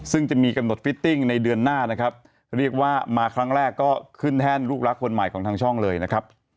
ซึ่งจะมีกำหนดฟิตติ้งในเดือนหน้านะครับเรียกว่ามาครั้งแรกก็ขึ้นแท่นลูกรักคนใหม่ของทางช่องเลยนะครับ